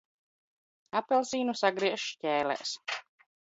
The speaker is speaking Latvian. Apelsīnu sagriež šķēlēs.